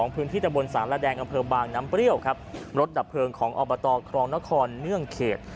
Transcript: พื้นที่ตะบนสารแดงอำเภอบางน้ำเปรี้ยวครับรถดับเพลิงของอบตครองนครเนื่องเขต